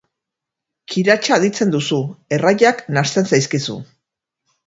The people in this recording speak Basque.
Kiratsa aditzen duzu, erraiak nahasten zaizkizu.